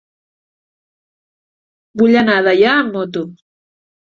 Vull anar a Deià amb moto.